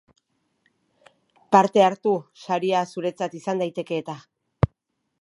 Parte hartu, saria zuretzat izan daiteke eta!